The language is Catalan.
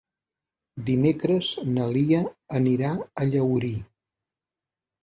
Dimecres na Lia anirà a Llaurí.